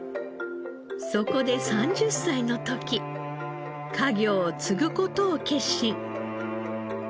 そこで３０歳の時家業を継ぐ事を決心。